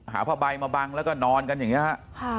ผ้าใบมาบังแล้วก็นอนกันอย่างนี้ฮะ